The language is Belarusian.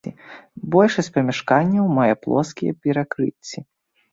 Большасць памяшканняў мае плоскія перакрыцці.